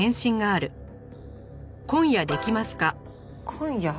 今夜？